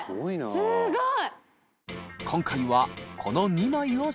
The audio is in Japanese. すごい。